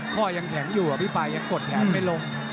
ข้อยังแข็งอยู่อะพี่ป่ายังกดแขนไม่ลง